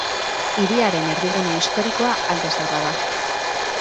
Hiriaren erdigune historikoa Alde Zaharra da.